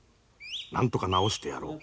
なんとか治してやろう。